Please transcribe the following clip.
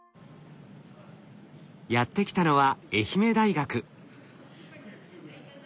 やって来たのは愛媛大学。